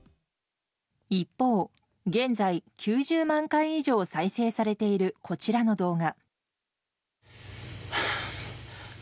一方、現在９０万回以上再生されているこちらの動画。